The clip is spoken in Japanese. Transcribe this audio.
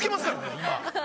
今。